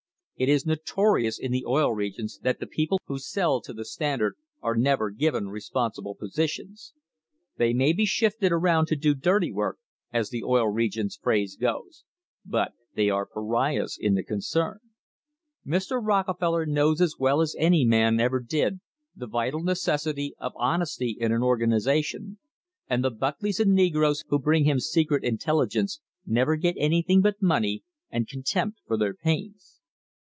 It is notorious in the Oil Regions that the people who "sell" to the Standard are never given responsible positions. They may be shifted CUTTING TO KILL around to do "dirty work," as the Oil Regions phrase goes, but they are pariahs in the concern. Mr. Rockefeller knows as well as any man ever did the vital necessity of honesty in an organisation, and the Buckleys and negroes who bring him secret intelligence never get anything but money and contempt for their pains.